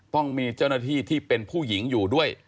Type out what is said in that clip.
ต้องมีเจ้าหน้าที่ที่เป็นผู้หญิงอยู่ด้วย